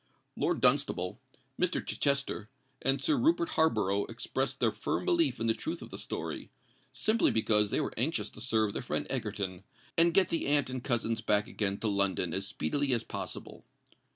Lord Dunstable, Mr. Chichester, and Sir Rupert Harborough expressed their firm belief in the truth of the story—simply because they were anxious to serve their friend Egerton, and get the aunt and cousins back again to London as speedily as possible.